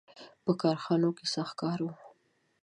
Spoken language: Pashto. • په کارخانو کې سخت کار و.